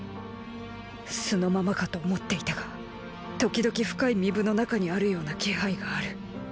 素のままかと思っていたが時々深い巫舞の中にあるような気配がある。